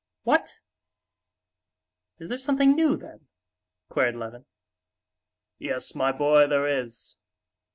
"What! is there something new, then?" queried Levin. "Yes, my boy, there is!